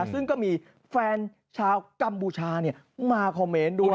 ซึ่งก็มีแฟนชาวกัมพูชามาคอมเมนต์ด้วย